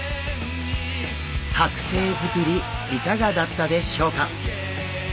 はく製づくりいかがだったでしょうか？